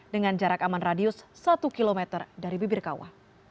dengan jarak aman radius satu kilometer dari bibirkawa